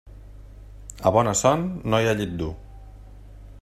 A bona son, no hi ha llit dur.